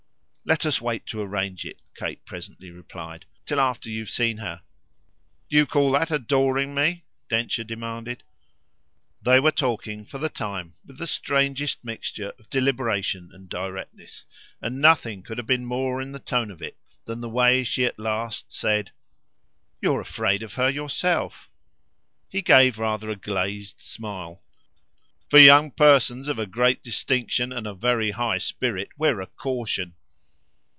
"Let us wait to arrange it," Kate presently replied, "till after you've seen her." "Do you call that adoring me?" Densher demanded. They were talking, for the time, with the strangest mixture of deliberation and directness, and nothing could have been more in the tone of it than the way she at last said: "You're afraid of her yourself." He gave rather a glazed smile. "For young persons of a great distinction and a very high spirit we're a caution!"